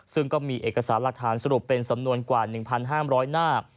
ซึ่งก็มีเอกสารหลักฐานสรุปเป็นสำนวนกว่า๑๕๐๐หน้า